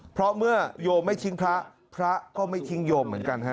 เพราะเมื่อโยมไม่ทิ้งพระพระก็ไม่ทิ้งโยมเหมือนกันฮะ